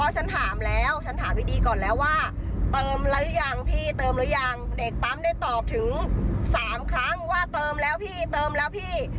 สามครั้งว่าเติมแล้วพี่เติมแล้วพี่